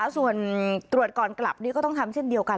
ส่วนตรวจก่อนกลับนี่ก็ต้องทำเช่นเดียวกัน